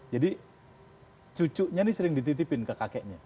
jadi cucunya nih sering dititipin ke kakeknya